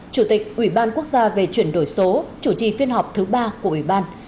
chủ tịch ủy ban quốc gia về chuyển đổi số chủ trì phiên họp thứ ba của ủy ban